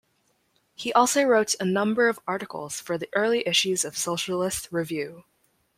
He also wrote a number of articles for the early issues of "Socialist Review".